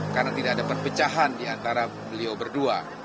karena tidak ada perpecahan di antara beliau berdua